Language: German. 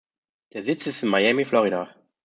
Der Sitz ist in Miami, Florida.